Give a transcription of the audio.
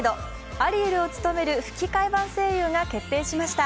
アリエルを務める吹き替え版声優が決定しました。